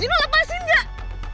gino lepasin enggak